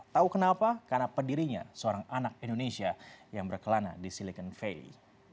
tahu kenapa karena pendirinya seorang anak indonesia yang berkelana di silicon valley